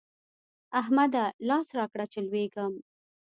احمده! لاس راکړه چې لوېږم.